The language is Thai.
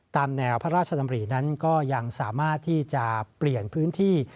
ตามแนวพระราชดำรินั้นก็ยังสามารถที่จะเปลี่ยนพื้นที่